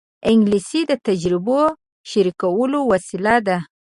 انګلیسي د تجربو شریکولو وسیله ده